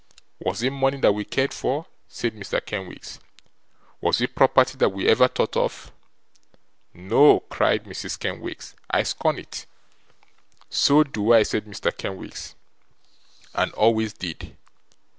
'Was it money that we cared for?' said Mr. Kenwigs. 'Was it property that we ever thought of?' 'No,' cried Mrs. Kenwigs, 'I scorn it.' 'So do I,' said Mr. Kenwigs, 'and always did.